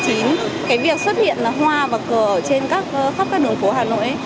cái việc xuất hiện hoa và cờ trên các đường phố hà nội